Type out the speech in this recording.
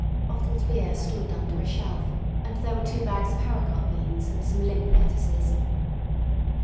Bottled beer stood under a shelf, and there were two bags of haricot beans and some limp lettuces.